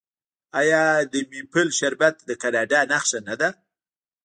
آیا د میپل شربت د کاناډا نښه نه ده؟